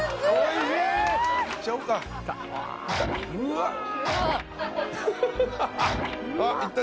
いった。